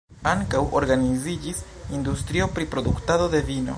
Ankaŭ organiziĝis industrio pri produktado de vino.